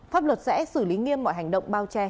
pháp luật sẽ xử lý nghiêm mọi hành động bao che